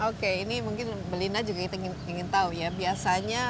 oke ini mungkin belina juga ingin tahu ya